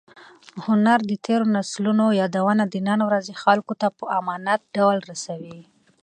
هنر د تېرو نسلونو یادونه د نن ورځې خلکو ته په امانت ډول رسوي.